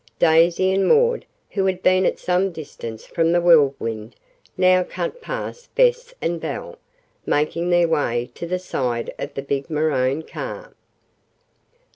Daisy and Maud, who had been at some distance from the Whirlwind, now cut past Bess and Belle, making their way to the side of the big maroon car.